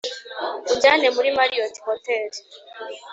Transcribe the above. unjyane muri marriott hotel